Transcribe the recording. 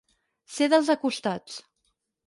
Ser dels acostats.